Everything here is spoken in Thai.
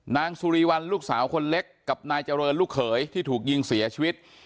นางสุริวัลลูกสาวคนเล็กกับนายเจริญลูกเขยที่ถูกยิงเสียชีวิต